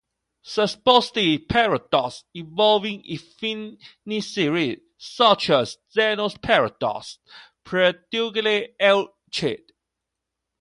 Supposed paradoxes involving infinite series, such as Zeno's paradox, predated Euclid.